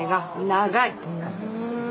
長い！